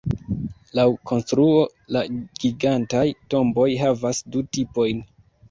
Laŭ konstruo, la gigantaj tomboj havas du tipojn.